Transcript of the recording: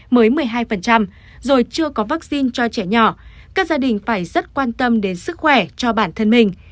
mới một mươi hai rồi chưa có vaccine cho trẻ nhỏ các gia đình phải rất quan tâm đến sức khỏe cho bản thân mình